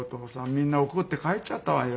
「みんな怒って帰っちゃったわよ」